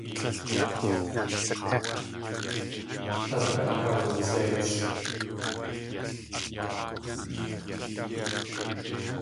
Tlél at kawutseits.